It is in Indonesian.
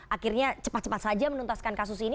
akhirnya cepat cepat saja menuntaskan kasus ini